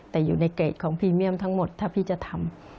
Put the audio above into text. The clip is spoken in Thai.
แต่อยู่ในเกรดของพรีเมียมทั้งหมดถ้าพี่จะทำ